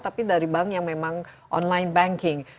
tapi dari bank yang memang online banking